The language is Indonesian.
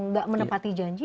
tidak menepati janji